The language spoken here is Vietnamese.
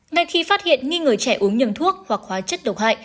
ngay khi phát hiện nghi người trẻ uống nhầm thuốc hoặc hóa chất độc hại